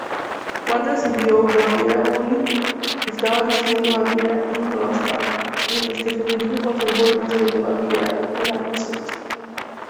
Juan recibió Baviera-Múnich, Esteban recibió Baviera-Ingolstadt, mientras que Federico conservó el resto de Baviera-Landshut.